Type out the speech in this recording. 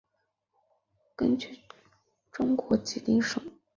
根据中国吉林省四平市梨树县的真实故事改编。